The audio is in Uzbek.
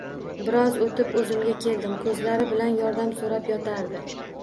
Biroz oʻtib oʻzimga keldim Koʻzlari bilan yordam soʻrab yotardi